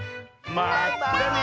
まったね！